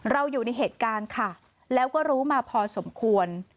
อยู่ในเหตุการณ์ค่ะแล้วก็รู้มาพอสมควร